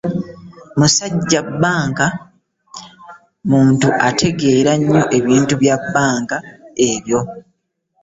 Musajja baanka, muntu ategeera nnyo ebintu bya banka ebyo.